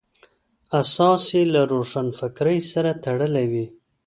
اساس یې له روښانفکرۍ سره تړلی وي.